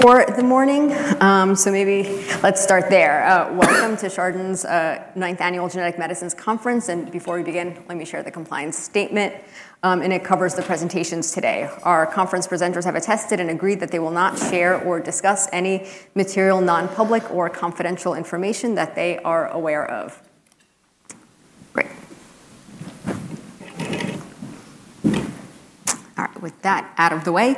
For the morning. So maybe let's start there. Welcome to Chardan's, ninth annual genetic medicines conference. And before we begin, let me share the compliance statement, and it covers the presentations today. Our conference presenters have attested and agreed that they will not share or discuss any material nonpublic or confidential information that they are aware of. Great. Alright. With that out of the way,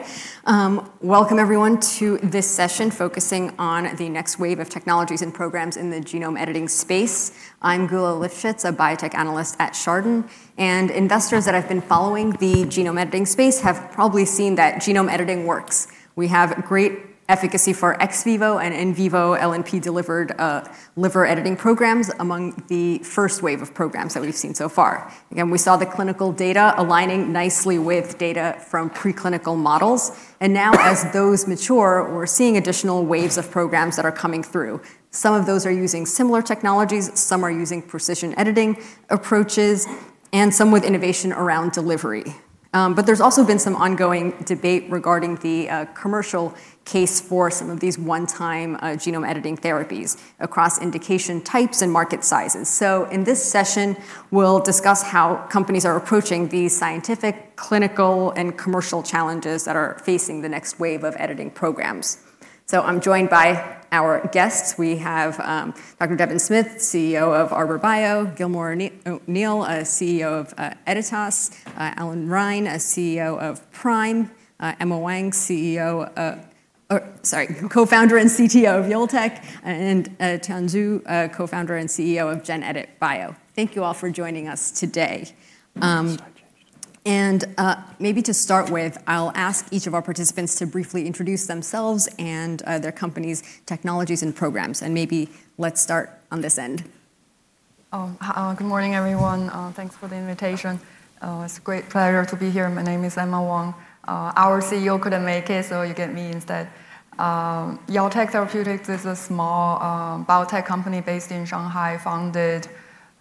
welcome everyone to this session focusing on the next wave of technologies and programs in the genome editing space. I'm Gula Lifshitz, a biotech analyst at Chardan. And investors that have been following the genome editing space have probably seen that genome editing works. We have great efficacy for ex vivo and in vivo LNP delivered, liver editing programs among the first wave of programs that we've seen so far. Again, we saw the clinical data aligning nicely with data from preclinical models. And now as those mature, we're seeing additional waves of programs that are coming through. Some of those are using similar technologies, some are using precision editing approaches, and some with innovation around delivery. But there's also been some ongoing debate regarding the commercial case for some of these one time genome editing therapies across indication types and market sizes. So in this session, we'll discuss how companies are approaching these scientific, clinical, and commercial challenges that are facing the next wave of editing programs. So I'm joined by our guests. We have, doctor Devin Smith, CEO of Arbor Bio, Gilmore O'Neill, CEO of Editas, Alan Ryan, CEO of Prime, Emma Wang, CEO oh, sorry, cofounder and CTO of Yultech, and Tian Zhu, cofounder and CEO of Gen Edit Bio. Thank you all for joining us today. And maybe to start with, I'll ask each of our participants to briefly introduce themselves and their company's technologies and programs. And maybe let's start on this end. Good morning, everyone. Thanks for the invitation. It's a great pleasure to be here. My name is Emma Wong. Our CEO couldn't make it, so you get me instead. Yao Tek Therapeutics is a small biotech company based in Shanghai founded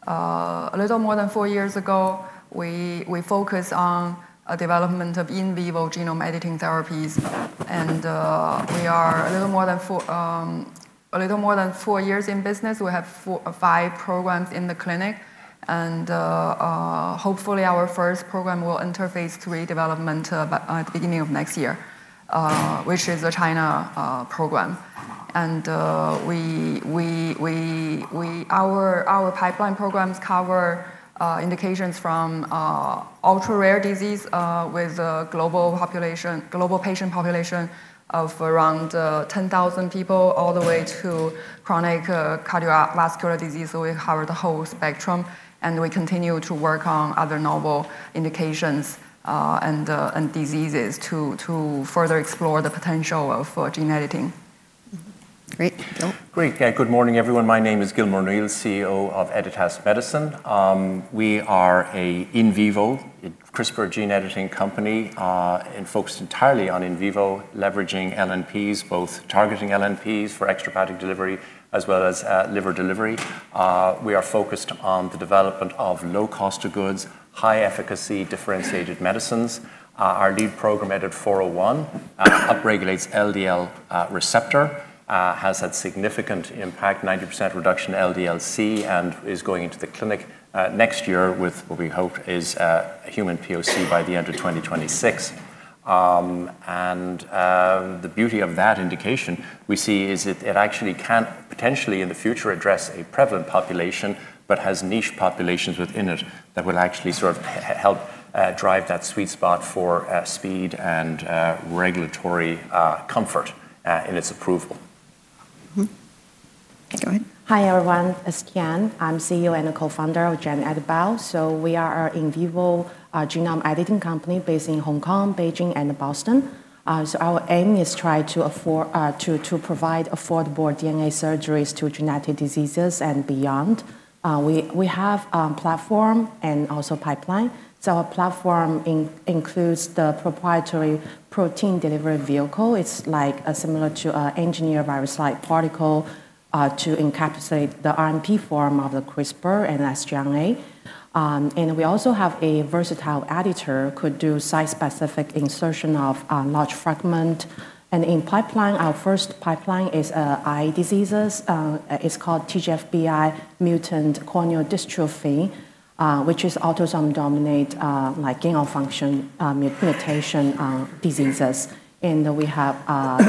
a little more than four years ago. We we focus on development of in vivo genome editing therapies, and we are a little more than four a little more than four years in business. We have four five programs in the clinic, and, hopefully, our first program will interface three development beginning of next year, which is a China, program. And we we we we our our pipeline programs cover indications from, ultra rare disease, with global population global patient population of around, ten thousand people all the way to chronic, cardiovascular disease. So we cover the whole spectrum, And we continue to work on other novel indications and diseases to further explore the potential of gene editing. Great. Great. Good morning, everyone. My name is Gilmore Neal, CEO of Editas Medicine. We are a in vivo CRISPR gene editing company and focused entirely on in vivo leveraging LNPs, both targeting LNPs for extra body delivery as well as liver delivery. We are focused on the development of low cost of goods, high efficacy differentiated medicines. Our lead program EDIT-four zero one upregulates LDL receptor has had significant impact 90% reduction LDL C and is going into the clinic next year with what we hope is a human POC by the 2026. And the beauty of that indication we see is it actually can potentially in the future address a prevalent population, but has niche populations within it that will actually sort of help drive that sweet spot for speed and regulatory comfort in its approval. Hi everyone. It's Kean. I'm CEO and co founder of Gen Ed Bao. So we are an in vivo genome editing company based in Hong Kong, Beijing, and Boston. So our aim is try to afford, to to provide affordable DNA surgeries to genetic diseases and beyond. We we have a platform and also pipeline. So our platform includes the proprietary protein delivery vehicle. It's like similar to engineered virus like particle to encapsulate the RNP form of the CRISPR and SGNA. And we also have a versatile editor could do site specific insertion of large fragment. And in pipeline, our first pipeline is eye diseases. It's called TGFBI mutant corneal dystrophy, which is autosomal dominant, like gain of function mutation diseases. And we have,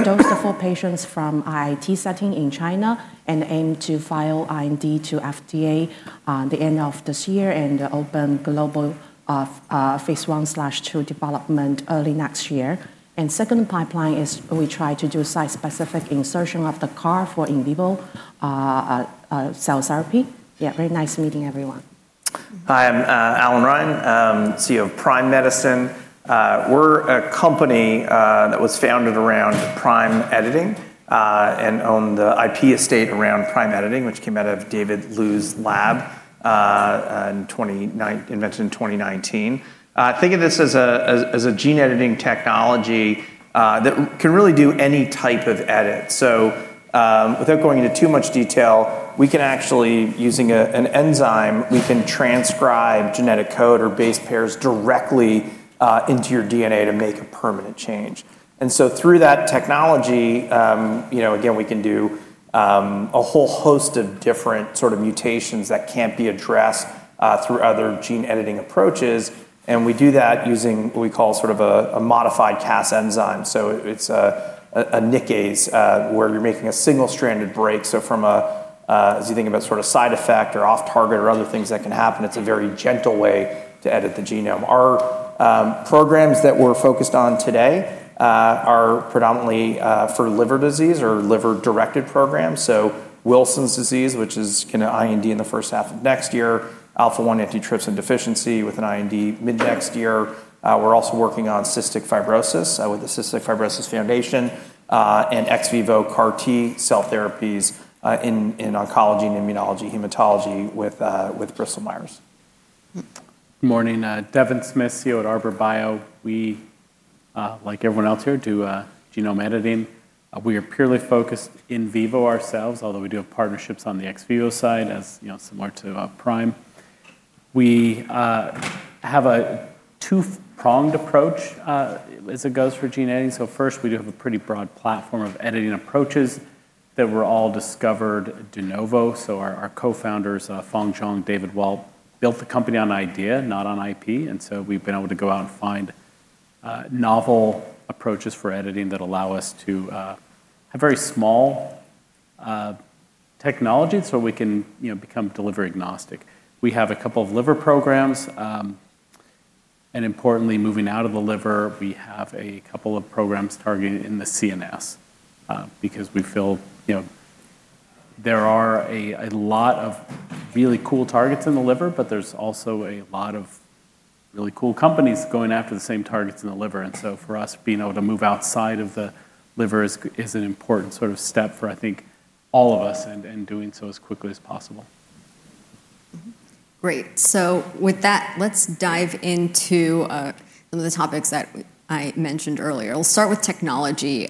dosed for patients from IIT setting in China and aim to file IND to FDA on the end of this year and open global Phase onetwo development early next year. And second pipeline is we try to do a site specific insertion of the CAR for in vivo cell therapy. Yeah. Very nice meeting everyone. Hi. I'm Alan Ryan, CEO of Prime Medicine. We're a company that was founded around prime editing and owned the IP estate around prime editing, which came out of David Lou's lab 29 invented in 2019. Think of this as a as a gene editing technology that can really do any type of edit. So, without going into too much detail, we can actually, using an enzyme, we can transcribe genetic code or base pairs directly into your DNA to make a permanent change. And so, through that technology, you know, again we can do a whole host of different sort of mutations that can't be addressed through other gene editing approaches and we do that using what we call sort of a modified Cas enzyme. So it's a nickase where you're making a single stranded break. So from a as you think about sort of side effect or off target or other things that can happen, it's a very gentle way to edit the genome. Our programs that we're focused on today are predominantly for liver disease or liver directed programs. So Wilson's disease, which is kind of IND in the first half of next year, alpha one antitrypsin deficiency with an IND mid next year. We're also working on cystic fibrosis with the Cystic Fibrosis Foundation and ex vivo CAR T cell therapies in oncology and immunology, hematology with Bristol Myers. Morning. Devin Smith, CEO at Arbor Bio. We, like everyone else here, do genome editing. We are purely focused in vivo ourselves, although we do have partnerships on the ex vivo side as, you know, similar to Prime. We have a two pronged approach as it goes for gene editing. So, first, we do have a pretty broad platform of editing approaches that were all discovered de novo, so our co founders, Feng Zhong, David Walt, built the company on idea, not on IP, and so we've been able to go out and find novel approaches for editing that allow us to have very small technology so we can, you know, become delivery agnostic. We have a couple of liver programs, and importantly moving out of the liver, we have a couple of programs targeted in the CNS because we feel, you know, are a lot of really cool targets in the liver, but there's also a lot of really cool companies going after the same targets in the liver. And so, for us being able to move outside of the liver is an important sort of step for I think all of us and and doing so as quickly as possible. Great. So, with that, let's dive into, some of the topics that I mentioned earlier. We'll start with technology.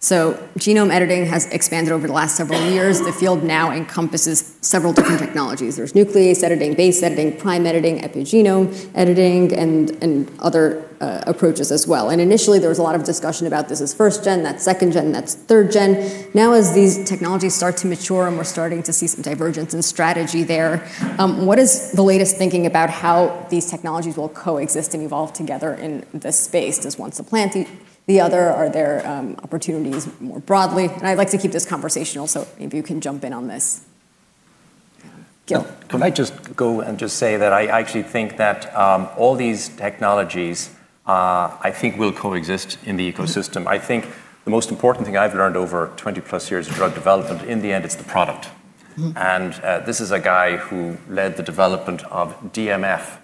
So genome editing has expanded over the last several years. The field now encompasses several different technologies. There's nucleus editing, base editing, prime editing, epigenome editing, and and other, approaches as well. And, initially, there was a lot of discussion about this as first gen, that's second gen, that's third gen. Now as these technologies start to mature and we're starting to see some divergence in strategy there, what is the latest thinking about how these technologies will coexist and evolve together in this space? Does one supplant the other? Are there opportunities more broadly? And I'd like to keep this conversational, so maybe you can jump in on this. Gil? Can I just go and just say that I actually think that, all these technologies I think will coexist in the ecosystem? I think the most important thing I've learned over twenty plus years of drug development in the end is the product. And this is a guy who led the development of DMF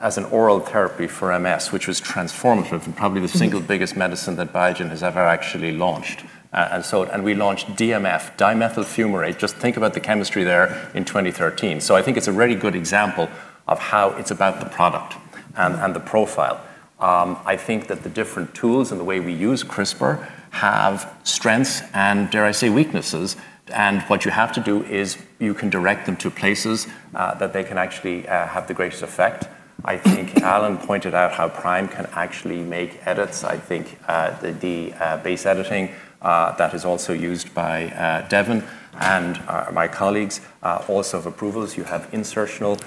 as an oral therapy for MS, which was transformative and probably the single biggest medicine that Biogen has ever actually launched. And so and we launched DMF, dimethyl fumarate, just think about the chemistry there in 2013. So I think it's a really good example of how it's about the product and the profile. I think that the different tools and the way we use CRISPR have strengths and dare I say weaknesses, and what you have to do is you can direct them to places that they can actually have the greatest effect. I think Alan pointed out how Prime can actually make edits. I think the base editing that is also used by Devon and my colleagues. Also, if approvals, you have insertional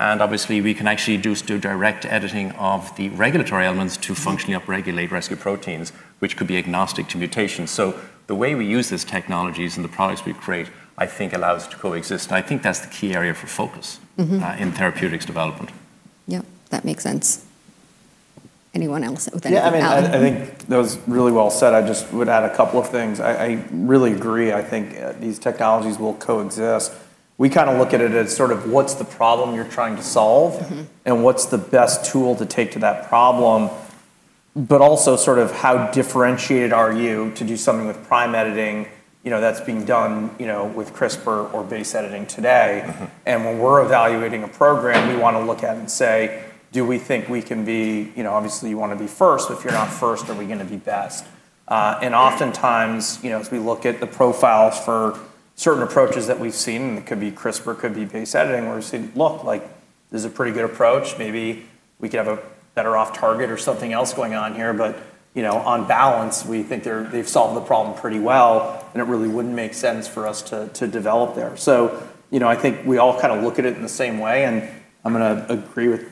and obviously we can actually do direct editing of the regulatory elements to functionally upregulate rescue proteins, which could be agnostic to mutations. So the way we use these technologies and the products we create, I think allows to coexist. I think that's the key area for focus in therapeutics development. Yep, that makes sense. Anyone else with that? Yeah, I mean, think that was really well said. I just would add a couple of things. I really agree, I think these technologies will coexist. We kind of look at it as sort of what's the problem you're trying to solve and what's the best tool to take to that problem, but also sort of how differentiated are you to do something with prime editing, you know, that's being done with CRISPR or base editing today. And when we're evaluating a program, we want to look at and say, do we think we can be, obviously you want to be first, if you're not first, are we going to be best? And oftentimes, as we look at the profiles for certain approaches that we've seen, it could be CRISPR, could be base editing, saying, look, like, this is a pretty good approach, maybe we could have a better off target or something else going on here, but, you know, on balance, we think they're they've solved the problem pretty well and it really wouldn't make sense for us to to develop there. So, you know, I think we all kind of look at it in the same way and I'm gonna agree with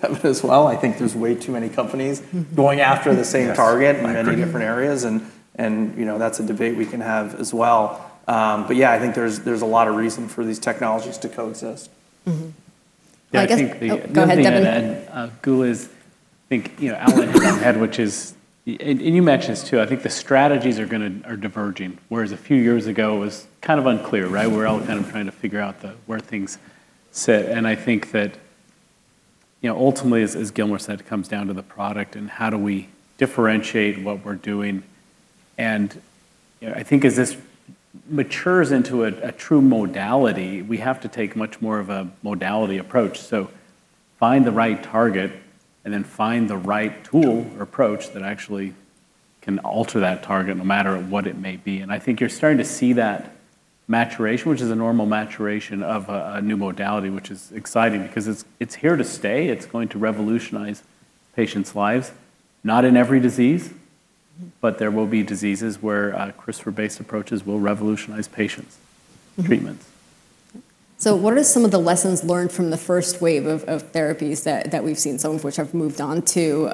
Devon as well. I think there's way too many companies going after the same target in many different areas and and, you know, that's a debate we can have as well. But, yeah, I think there's there's a lot of reason for these technologies to coexist. Mhmm. Yeah. I guess Go ahead, Devin. Go Go ahead, think, you know, Alan, which is and you mentioned this too, I think the strategies are gonna are diverging, whereas a few years ago it was kind of unclear, right? We're all kind of trying to figure out where things sit, and I think that, you know, ultimately as Gilmore said, it comes down to the product and how do we differentiate what we're doing, and I think as this matures into a true modality, we have to take much more of a modality approach. So, find the right target and then find the right tool or approach that actually can alter that target no matter what it may be, and I think you're starting to see that maturation, which is a normal maturation of a new modality, which is exciting because it's here to stay, it's going to revolutionize patients' lives, not in every disease, but there will be diseases where CRISPR based approaches will revolutionize patients' treatments. So, what are some of the lessons learned from the first wave of therapies that we've seen, some of which have moved on to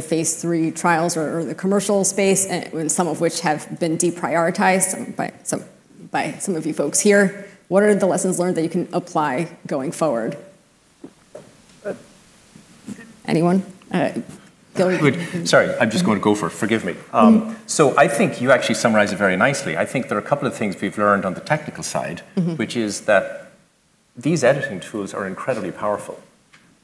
phase three trials or or the commercial space, and some of which have been deprioritized by some by some of you folks here. What are the lessons learned that you can apply going forward? Anyone? Sorry, I'm just going to go for forgive me. So I think you actually summarized it very nicely. I think there are a couple of things we've learned on the technical side, which is that these editing tools are incredibly powerful.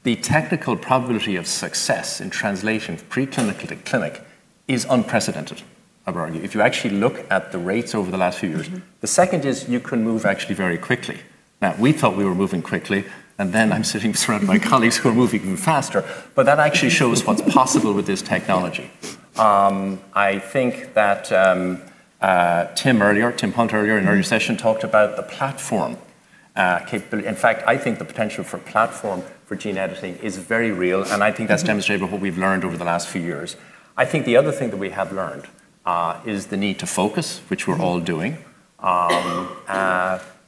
The technical probability of success in translation pre clinical to clinic is unprecedented, I've already. If you actually look at the rates over the last few years. The second is you can move actually very quickly. Now, we thought we were moving quickly and then I'm sitting around my colleagues who are moving faster, but that actually shows what's possible with this technology. I think that Tim earlier, Tim Punt earlier in our session talked about the platform capability. In fact, I think the potential for platform for gene editing is very real, and I think that's demonstrated what we've learned over the last few years. I think the other thing that we have learned is the need to focus, which we're all doing,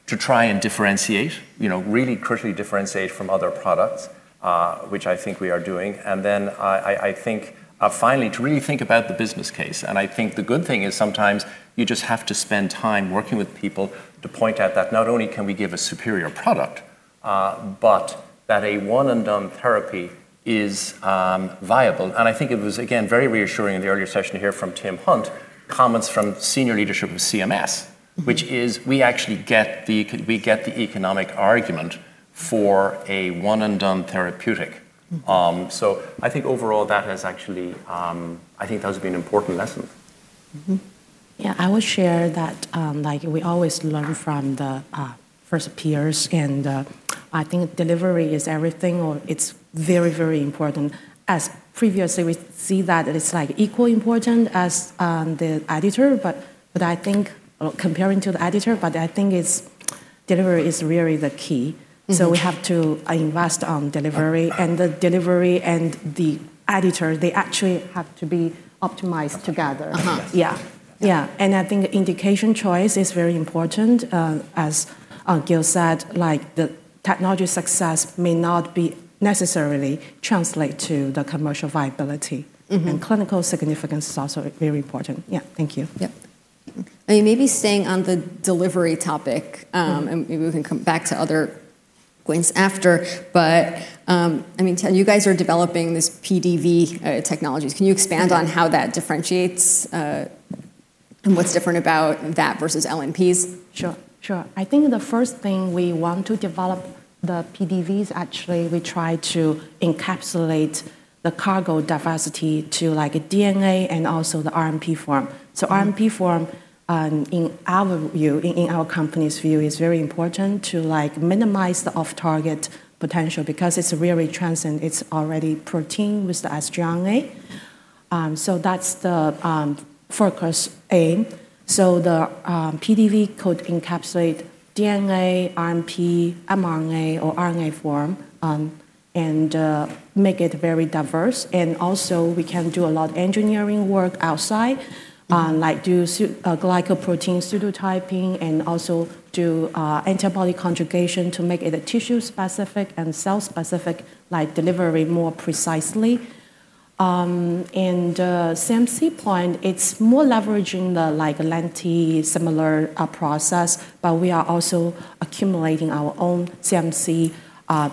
to try and differentiate, you know, really critically differentiate from other products, which I think we are doing. And then I I think finally to really think about the business case. And I think the good thing is sometimes you just have to spend time working with people to point out that not only can we give a superior product, but that a one and done therapy is viable. And I think it was again very reassuring in the earlier session to hear from Tim Hunt, comments from senior leadership of CMS, which is we actually get the economic argument for a one and done therapeutic. So I think overall that has actually I think that has been an important lesson. Mhmm. Yeah. I will share that, like we always learn from the, first peers and I think delivery is everything or it's very very important. As previously we see that it is like equally important as, the editor but but I think comparing to the editor but I think it's delivery is really the key. So we have to invest on delivery and the delivery and the editor, they actually have to be optimized together. Uh-huh. Yeah. Yeah. And I think the indication choice is very important as Gil said, like the technology success may not be necessarily translate to the commercial viability. Mhmm. And clinical significance is also very important. Yeah. Thank you. Yep. I mean, maybe staying on the delivery topic, and maybe we can come back to other points after. But I mean, tell you guys are developing this PDV technologies. Can you expand on how that differentiates, and what's different about that versus LNPs? Sure. Sure. I think the first thing we want to develop the PDV is actually we try to encapsulate the cargo diversity to like a DNA and also the RNP form. So RNP form, in our view, in our company's view is very important to like minimise the off target potential because it's really transient, it's already protein with the astronomy. So that's the, focus aim. So the, PDV could encapsulate DNA, RNA, RNA form and make it very diverse. And also we can do a lot of engineering work outside, like do glycoprotein pseudotyping and also do antibody conjugation to make it a tissue specific and cell specific like delivery more precisely. And CMC point, it's more leveraging the like lengthy similar process, but we are also accumulating our own CMC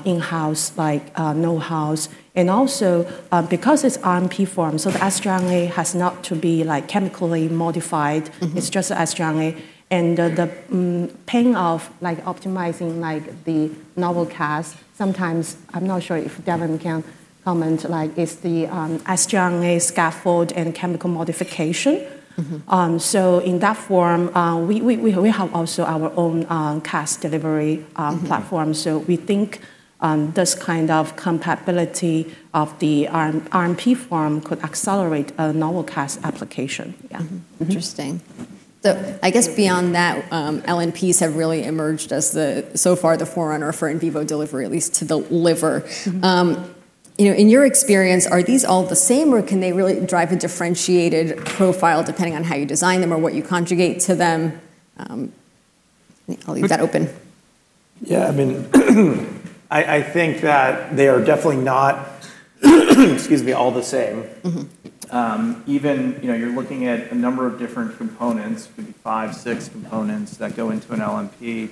in house like know house and also because it's RNP form, so the astronomy has not to be like chemically modified. It's just astronomy and the pain of like optimizing like the novel cast sometimes, I'm not sure if Devon can comment like is the scaffold and chemical modification. So in that form, we have also our own cast delivery platform. We think this kind of compatibility of the r r and p form could accelerate a novel CAS application. Yeah. Mhmm. Interesting. So I guess beyond that, LNPs have really emerged as the so far the forerunner for in vivo delivery at to deliver. You know, in your experience, are these all the same or can they really drive a differentiated profile depending on how you design them or what you conjugate to them? I'll leave that open. Yeah, I mean, think that they are definitely not, excuse me, all the same. Even, you know, you're looking at a number of different components, maybe five, six components that go into an LNP.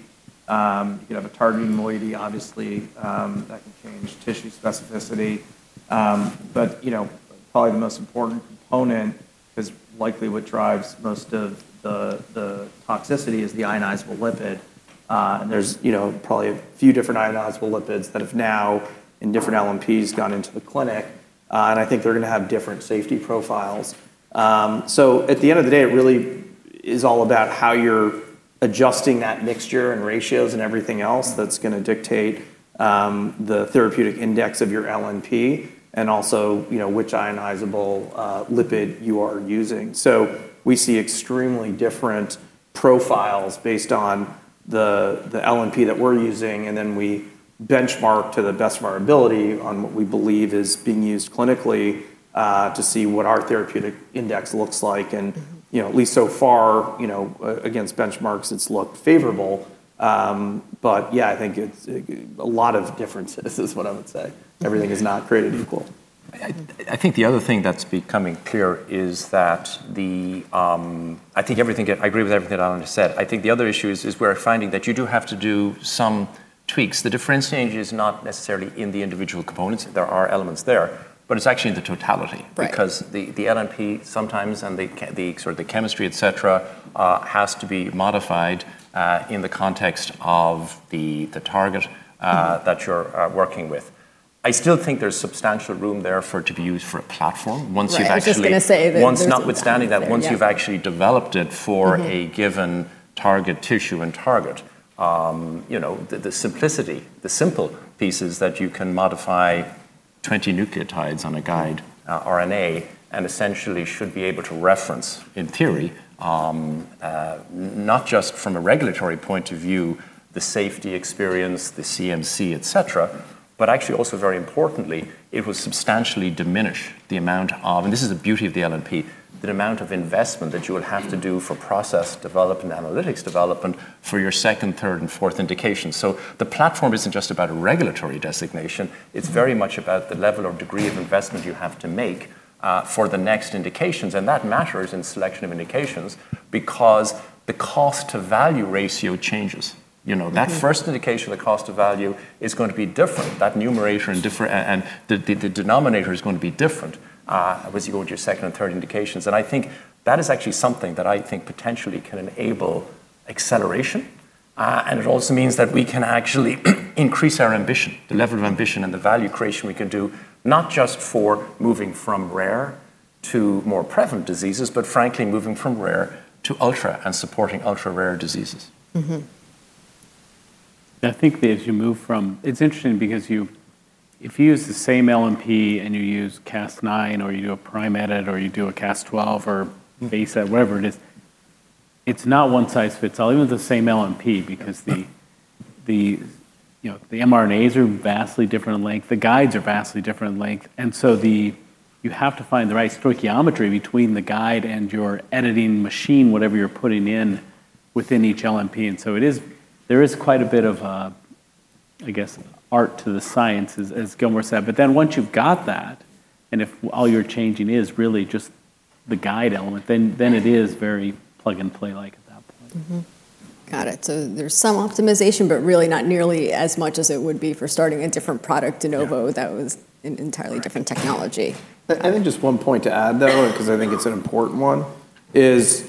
You can have a targeting moiety, obviously, that can change tissue specificity. But, you know, probably the most important component is likely what drives most of the toxicity is the ionizable lipid, and there's probably a few different ionizable lipids that have now in different LMPs gone into the clinic, and I think they're gonna have different safety profiles. So, at the end of the day, it really is all about how you're adjusting that mixture and ratios and everything else that's going to dictate the therapeutic index of your LNP, and also, you know, which ionizable lipid you are using. So, we see extremely different profiles based on the LNP that we're using, and then we benchmark to the best of our ability on what we believe is being used clinically to see what our therapeutic index looks like, and at least so far, against benchmarks it's looked favorable. But, yeah, I think it's a lot of differences is what I would say. Everything is not created equal. I think the other thing that's becoming clear is that everything I agree with everything that Alan just said. I think the other issue is we're finding that you do have to do some tweaks. The difference change is not necessarily in the individual components. There are elements there, but it's actually in the totality. Right. Because the LNP sometimes and the sort of the chemistry etcetera has to be modified in the context of the target that you're working with. I still think there's substantial room there for it to be used for a platform once Right. You've actually just going say that Once notwithstanding that, once you've actually developed it for a given target tissue and target, know the simplicity, the simple pieces that you can modify 20 nucleotides on a guide RNA and essentially should be able to reference in theory, not just from a regulatory point of view, the safety experience, the CMC etc, but actually also very importantly it will substantially diminish the amount of, and this is the beauty of the LNP, the amount of investment that you will have to do for process development, analytics development for your second, third and fourth indication. So the platform isn't just about a regulatory designation, it's very much about the level or degree of investment you have to make for the next indications, and that matters in selection of indications because the cost to value ratio changes. Know that first indication of the cost of value is going to be different, that numerator and the is going to be different, as you go into your second and third indications. And I think that is actually something that I think potentially can enable acceleration, and it also means that we can actually increase our ambition, the level of ambition and the value creation we can do, not just for moving from rare to more prevalent diseases, but frankly moving from rare to ultra and supporting ultra rare diseases. Mhmm. I think that as you move from it's interesting because you if you use the same LNP and you use Cas nine or you do a Prime Edit or you do a Cas 12 or base whatever it is, it's not one size fits all, even with the same LMP because the mRNAs are vastly different in length, the guides are vastly different in length, and so the you have to find the right stoichiometry between the guide and your editing machine, whatever you're putting in within each LMP, so it is there is quite a bit of, I guess, art to the sciences as Gilmore said, but then once you've got that, and if all you're changing is really just the guide element, then then it is very plug and play like at that point. Mhmm. Got it. So there's some optimization, but really not nearly as much as it would be for starting a different product, de novo, that was entirely different technology. I think just one point to add though, because I think it's an important one, is,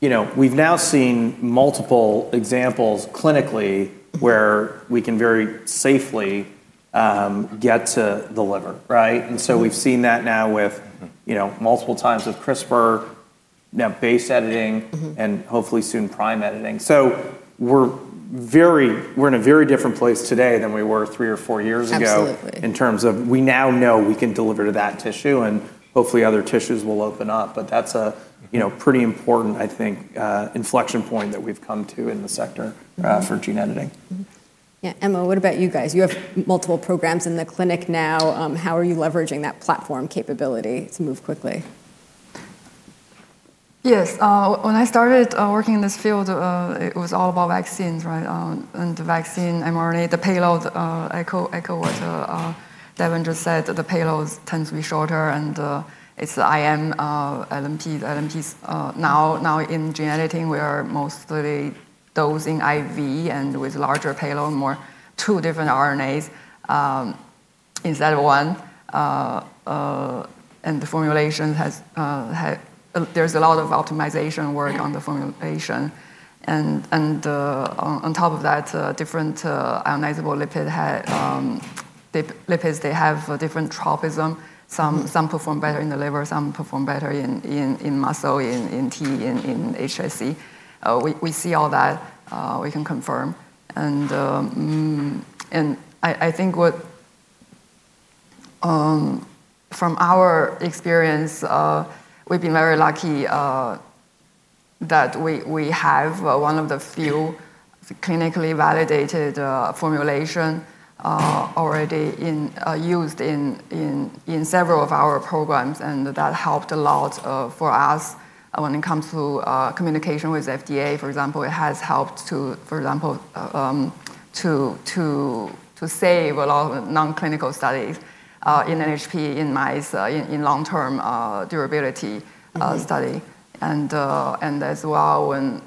you know, we've now seen multiple examples clinically where we can very safely get to the liver. Right? And so, we've seen that now with multiple times with CRISPR, base editing, and hopefully soon prime editing. So, we're we're in a very different place today than we were three or four years ago Absolutely. In terms of we now know we can deliver to that tissue and hopefully other tissues will open up. But that's a, you know, pretty important, I think, inflection point that we've come to in the sector for gene editing. Yeah. Emma, what about you guys? You have multiple programs in the clinic now. How are you leveraging that platform capability to move quickly? Yes. When I started working in this field, it was all about vaccines. Right? And the vaccine, mRNA, the payload echo echo what Devin just said that the payloads tend to be shorter, and it's the I m, LNP LNP's. Now now in gene editing, we are mostly dosing IV and with larger payload more two different RNAs, instead of one. And the formulation has had there's a lot of optimization work on the formulation. And and, on top of that, different, ionizable lipid had lipids, they have different tropism. Some some perform better in the liver, some perform better in in in muscle, in in t, in in HSE. We we see all that. We can confirm. And and I I think what, from our experience, we've been very lucky that we we have one of the few clinically validated, formulation, already in used in in in several of our programs, and that helped a lot, for us when it comes to communication with FDA. For example, it has helped to, for example, to to to save a lot of nonclinical studies in NHP in mice in long term durability study. And and as well when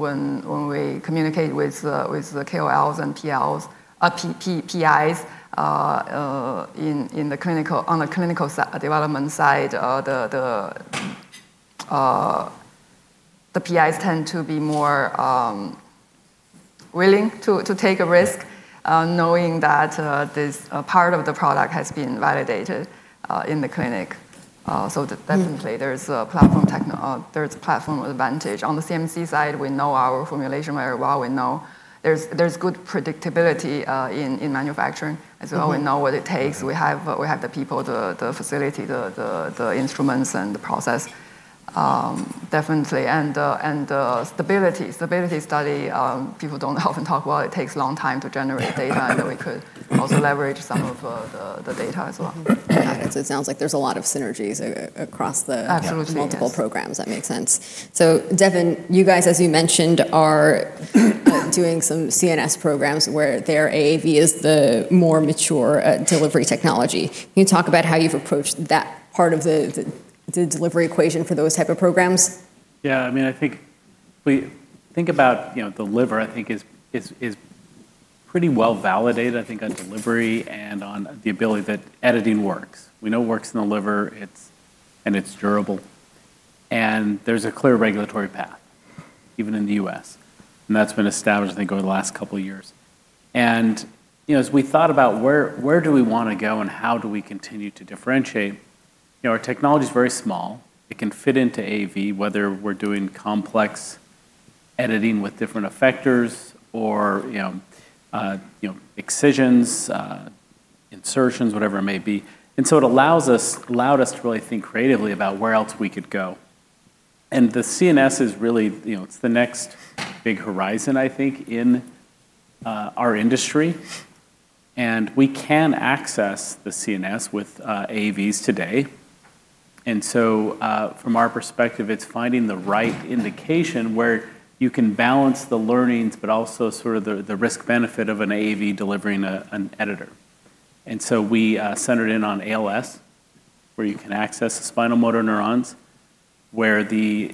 when when we communicate with with the KOLs and PLs, PPs in in the clinical on the clinical development side, the the PIs tend to be more willing to to take a risk, knowing that, this part of the product has been validated, in the clinic. So definitely there's a platform techno there's a platform advantage. On the CMC side, we know our formulation very well. We know there's there's good predictability, in in manufacturing as we always know what it takes. We have we have the people, the the facility, the instruments, and the process, definitely. And and the stability stability study, people don't often talk, well, it takes a long time to generate data, and then we could also leverage some of the the data as well. It sounds like there's a lot of synergies across the Absolutely. Multiple programs. That makes sense. So, Devin, you guys, as you mentioned, are doing some CNS programs where their AAV is the more mature delivery technology. Can you talk about how you've approached that part of the delivery equation for those type of programs? Yeah. I mean, think we think about, you know, the liver, think is is is pretty well validated, I think, on delivery and on the ability that editing works. We know it works in the liver, and it's durable, and there's a clear regulatory path, even in The US, and that's been established I think over the last couple of years. And, you know, as we thought about where do we wanna go and how do we continue to differentiate, You know, our technology is very small, it can fit into AV whether we're doing complex editing with different effectors or excisions, insertions, whatever it may be. And so, it allows us allowed us to really think creatively about where else we could go. And the CNS is really, you know, it's the next big horizon I think in our industry, and we can access the CNS with AAVs today. And so, from our perspective, it's finding the right indication where you can balance the learnings but also sort of the risk benefit of an AAV delivering an editor. And so, we centered in on ALS, where you can access the spinal motor neurons, where the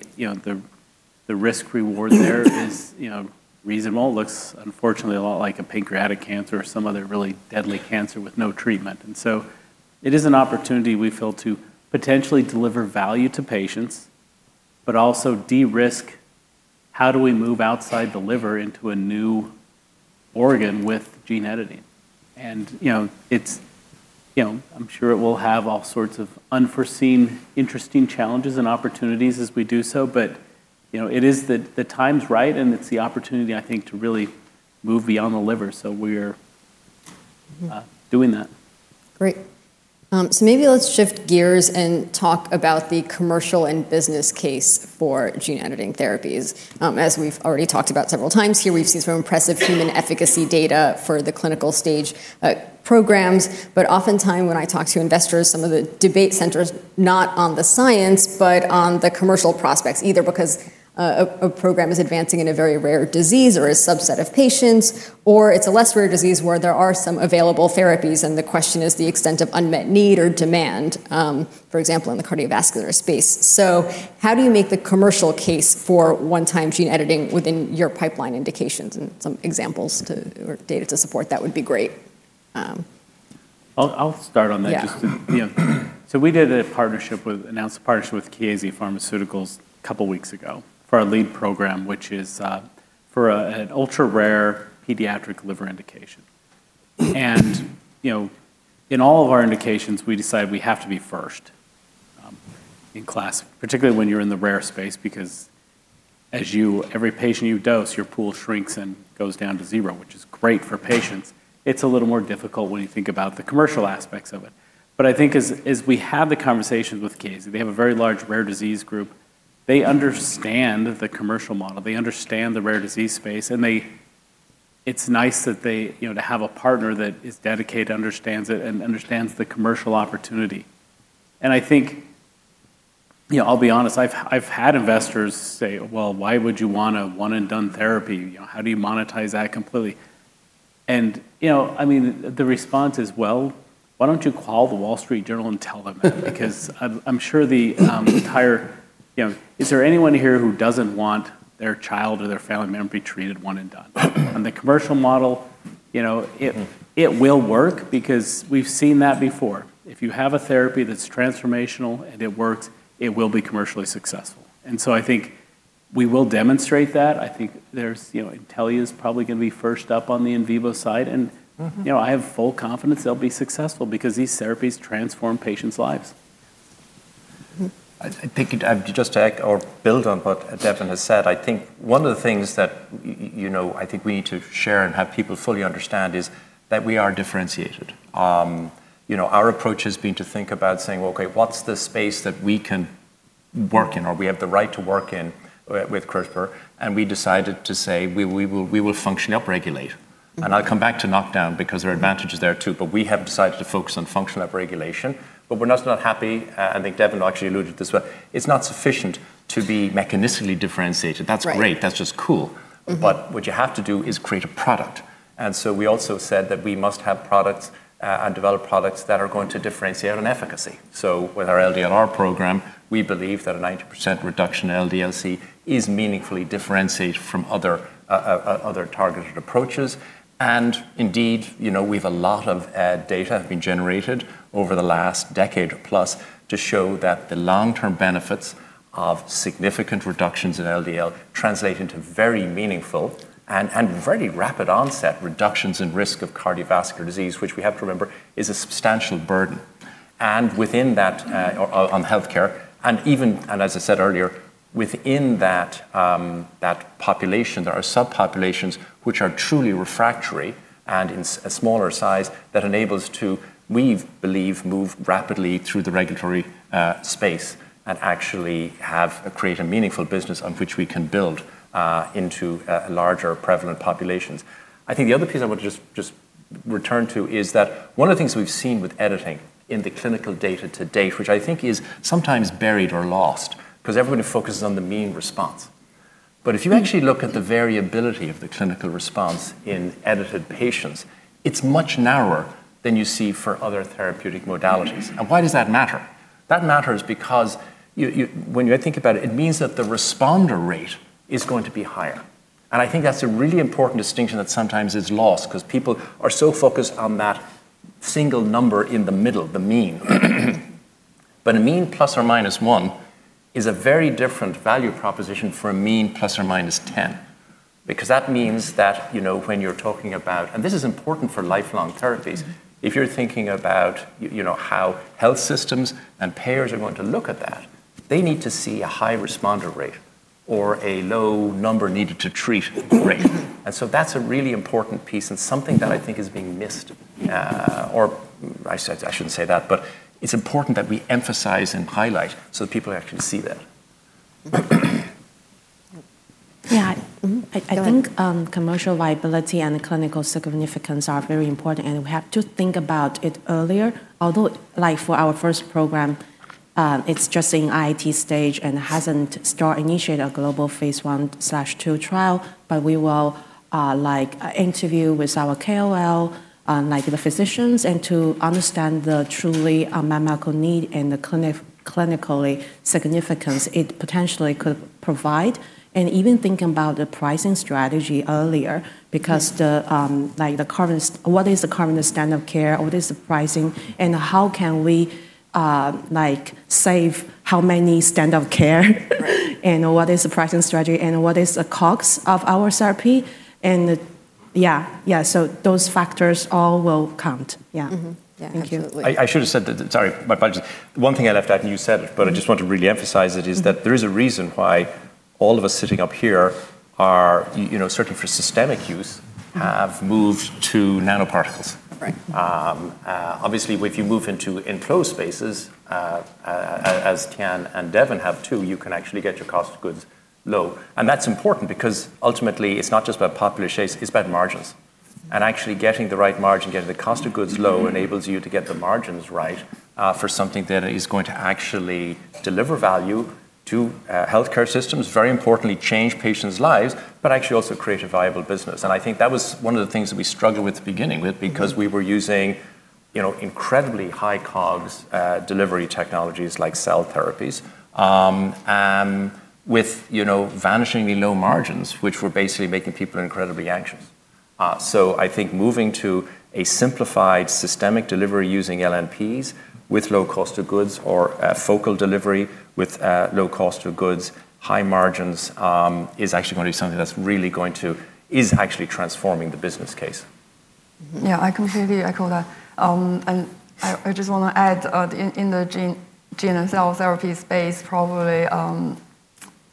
risk reward there is reasonable, looks unfortunately a lot like a pancreatic cancer or some other really deadly cancer with no treatment. And so, it is an opportunity we feel to potentially deliver value to patients, but also de risk how do we move outside the liver into a new organ with gene editing. And, you know, it's I'm sure it will have all sorts of unforeseen interesting challenges and opportunities as we do so, but it is that the time is right and it's the opportunity I think to really move beyond the liver. So we're doing that. Great. So maybe let's shift gears and talk about the commercial and business case for gene editing therapies. As we've already talked about several times here, we've seen some impressive human efficacy data for the clinical stage, programs. But often time when I talk to investors, some of the debate centers not on the science, but on the commercial prospects either because a program is advancing in a very rare disease or a subset of patients, or it's a less rare disease where there are some available therapies, and the question is the extent of unmet need or demand, for example, in the cardiovascular space. So how do you make the commercial case for one time gene editing within your pipeline indications and some examples to or data to support that would be great. I'll I'll start on that just to you know? So we did announced a partnership with Chiesi Pharmaceuticals a couple weeks ago for our lead program which is for an ultra rare pediatric liver indication. And, you know, in all of our indications we decided we have to be first in class, particularly when you're in the rare space because as you every patient you dose, your pool shrinks and goes down to zero, which is great for patients. It's a little more difficult when you think about the commercial aspects of it. But I think as as we have the conversation with Casey, they have a very large rare disease group, they understand the commercial model, they understand the rare disease space and they It's nice that they You know, to have a partner that is dedicated, understands it and understands the commercial opportunity. And I think, you know, I'll be honest, I've had investors say, Well, why would you want a one and done therapy? How do you monetize that completely? And, you know, I mean, the response is, Well, why don't you call the Wall Street Journal and tell them that? Because I'm sure the entire Is there anyone here who doesn't want their child or their family member be treated one and done? And the commercial model, you know, it will work because we've seen that before. If you have a therapy that's transformational and it works, it will be commercially successful. And so, think we will demonstrate that. I think there's, you know, Intellia is probably gonna be first up on the in vivo side and, you know, I have full confidence they'll be successful because these therapies transform patients' lives. I think just to add or build on what Devon has said, I think one of the things that, you know, I think we need to share and have people fully understand is that we are differentiated. You know, our approach has been to think about saying, what's the space that we can work in or we have the right to work in with CRISPR? And we decided to say we will function up regulate. And I'll come back to knockdown because there are advantages there too, but we have decided to focus on functional upregulation, but we're not happy, I think Devon actually alluded this way, it's not sufficient to be mechanistically differentiated. That's great, that's just cool. But what you have to do is create a product. And so we also said that we must have products and develop products that are going to differentiate in efficacy. So, with our LDLR program, we believe that a 90% reduction LDL C is meaningfully differentiated from other targeted approaches. And indeed, you know, we've a lot of data have been generated over the last decade or plus to show that the long term benefits of significant reductions in LDL translate into very meaningful and very rapid onset reductions in risk of cardiovascular disease, which we have to remember is a substantial burden. And within that on healthcare and even and as I said earlier, within that population there are subpopulations which are truly refractory and in a smaller size that enables to we believe move rapidly through the regulatory space and actually have a create a meaningful business on which we can build into a larger prevalent populations. I think the other piece I would just return to is that one of the things we've seen with editing in the clinical data to date, which I think is sometimes buried or lost because everyone focuses on the mean response. But if you actually look at the variability of the clinical response in edited patients, it's much narrower than you see for other therapeutic modalities. And why does that matter? That matters because when you think about it, it means that the responder rate is going to be higher. And I think that's a really important distinction that sometimes is lost because people are so focused on that single number in the middle, the mean. But a mean plus or minus one is a very different value proposition for a mean plus or minus 10, because that means that you know when you're talking about, and this is important for lifelong therapies, if you're thinking about you know how health systems and payers are going to look at that, they need to see a high responder rate or a low number needed to treat rate. And so that's a really important piece and something that I think is being missed or I shouldn't say that, but it's important that we emphasize and highlight so people actually see that. Yeah. Think commercial viability and clinical significance are very important and we have to think about it earlier. Although like for our first programme, it's just in IT stage and hasn't start initiate a global phase onetwo trial, but we will, like interview with our KOL, like the physicians and to understand the truly unmet medical need and the clinically significance it potentially could provide and even thinking about the pricing strategy earlier because the like the current what is the current standard of care, what is the pricing and how can we like save how many standard of care and what is the pricing strategy and what is the COGS of our therapy and yeah, yeah so those factors all will count. I should have said that, sorry my apologies, One one thing I left out and you said it, but I just want to really emphasize it is that there is a reason why all of us sitting up here are you know, certain for systemic use have moved to nanoparticles. Obviously, if you move into enclosed spaces as Tian and Devon have too, you can actually get your cost of goods low. And that's important because ultimately it's not just about popular shapes, it's about margins. And actually getting the right margin, getting the cost of goods low enables you to get the margins right for something that is going to actually deliver value to healthcare systems, very importantly change patients lives, but actually also create a viable business. And I think that was one of the things that we struggled with the beginning with because we were using incredibly high COGS delivery technologies like cell therapies, with vanishingly low margins, which were basically making people incredibly anxious. So, think moving to a simplified systemic delivery using LNPs with low cost of goods or focal delivery with low cost of goods, high margins is actually going to be something that's really going to is actually transforming the business case. Yeah, I completely echo that. And I just want to add, in the gene and cell therapy space probably,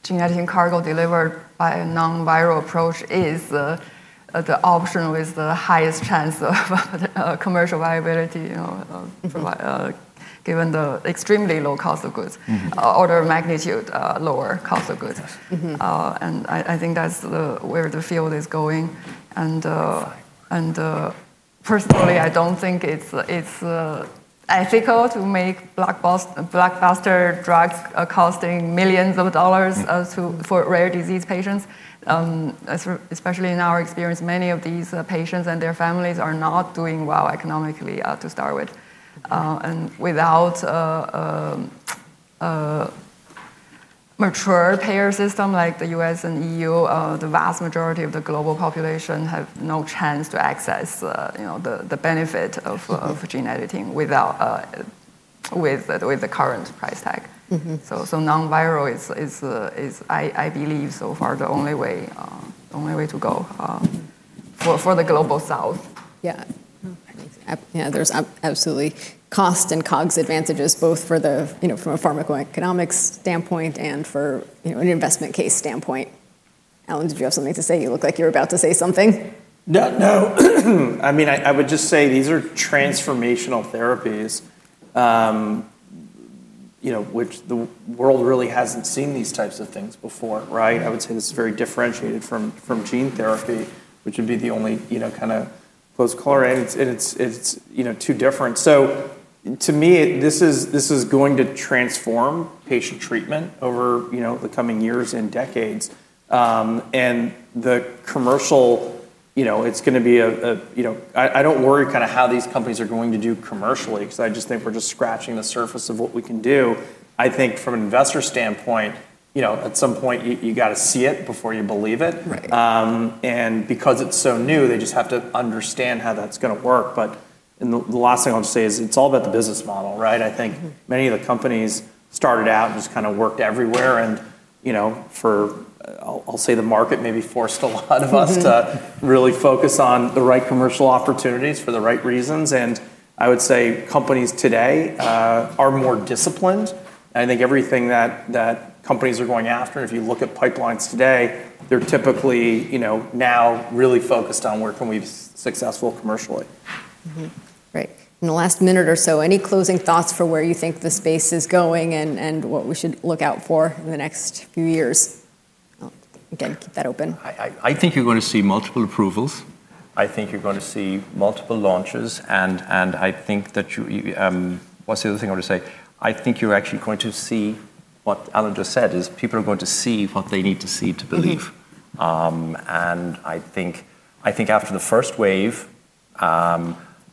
genetic and cargo delivered by a non viral approach is the option with the highest chance of commercial viability, you know, given the extremely low cost of goods Mhmm. Order of magnitude, lower cost of goods. Mhmm. And I I think that's the where the field is going. And That's fine. And personally, I don't think it's it's ethical to make black boss blockbuster drugs costing millions of dollars as to for rare disease patients. Especially in our experience, many of these patients and their families are not doing well economically to start with. And without mature payer system like The US and EU, the vast majority of the global population have no chance to access, you know, the the benefit of of gene editing without, with with the current price tag. Mhmm. So so nonviral is is is, I I believe, so far the only way, the only way to go, for for the global south. Yeah. Yeah. There's absolutely cost and COGS advantages both for the you know, from a pharmacoeconomic standpoint and for, you know, an investment case standpoint. Alan, did you have something to say? You look like you're about to say something. No. No. I mean, I I would just say these are transformational therapies, which the world really hasn't seen these types of things before. Right? I would say this is very differentiated from gene therapy, which would be the only kind of close chlorate and it's too different. So, to me, this is going to transform patient treatment over the coming years and decades. And the commercial, it's going to be a I don't worry kind of how these companies are going to do commercially because I just think we're just scratching the surface of what we can do. I think from an investor standpoint, you know, at some point you you gotta see it before you believe it. Right. And because it's so new, they just have to understand how that's gonna work. But the last thing I'll say is it's all about the business model. Right? I think many of the companies started out and just kind of worked everywhere and for I'll say the market maybe forced a lot of us to really focus on the right commercial opportunities for the right reasons. And I would say companies today, are more disciplined. I think everything that companies are going after, if you look at pipelines today, they're typically, you know, now really focused on where can we be successful commercially. Great. In the last minute or so, any closing thoughts for where you think the space is going and and what we should look out for in the next few years? Again, keep that open. I I think you're going to see multiple approvals. I think you're going to see multiple launches and and I think that what's the other thing I want to say, I think you're actually going to see what Alan just said is people are going to see what they need to see to believe. And I think after the first wave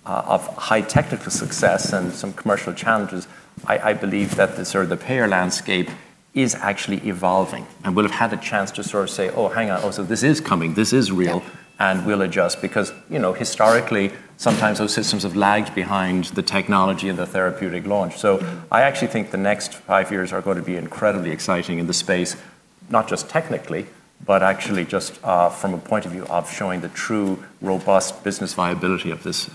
of high technical success and some commercial challenges, I believe that the sort of the payer landscape is actually evolving and we'll have had a chance to sort of say, oh hang on, oh so this is coming, this is real and we'll adjust because you know historically sometimes those systems have lagged behind the technology and the therapeutic launch. So, I actually think the next five years are going to be incredibly exciting in the space, not just technically, but actually just from a point of view of showing the true robust business viability of this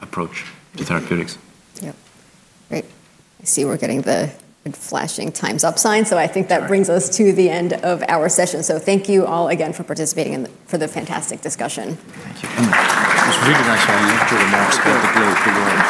approach to therapeutics. Yep. Great. I see we're getting the flashing times up sign so I think that brings us to the end of our session. So thank you all again for participating in for the fantastic discussion.